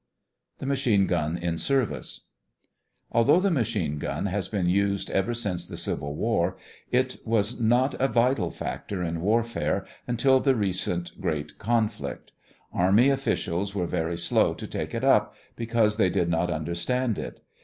THE MACHINE GUN IN SERVICE Although the machine gun has been used ever since the Civil War, it was not a vital factor in warfare until the recent great conflict. Army officials were very slow to take it up, because they did not understand it.